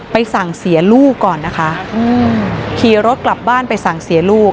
สั่งเสียลูกก่อนนะคะอืมขี่รถกลับบ้านไปสั่งเสียลูก